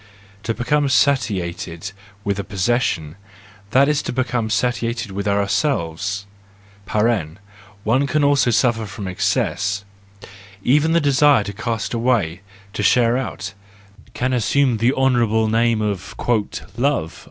To become satiated with a possession, that is to become satiated with ourselves. (One can also suffer from excess,—even the desire to cast away, to share out, can assume the honourable name of "love.")